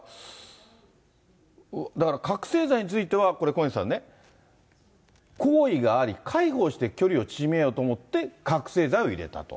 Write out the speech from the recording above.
だから、覚醒剤については、これ、小西さんね、好意があり、介抱して距離を縮めようと思って覚醒剤を入れたと。